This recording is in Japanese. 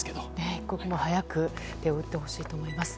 一刻も早く手を打ってほしいと思います。